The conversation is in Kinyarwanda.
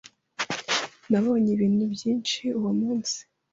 Nabonye ibintu byinshi uwo munsi.